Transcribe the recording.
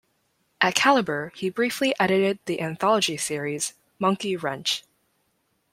At Caliber, he briefly edited the anthology series "Monkey Wrench".